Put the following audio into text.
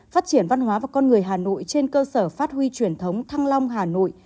phát triển văn hóa và con người hà nội trên cơ sở phát huy truyền thống thăng long hà nội